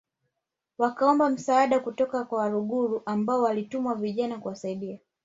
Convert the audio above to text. wakaomba msaada kutoka kwa Waluguru ambao walituma vijana kuwasaidia